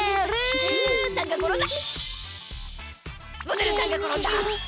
モデルさんがころんだ！